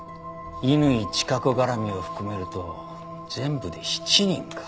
乾チカ子絡みを含めると全部で７人か。